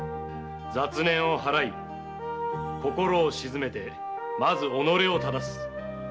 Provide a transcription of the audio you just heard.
雑念を払い心を静めて己を正す。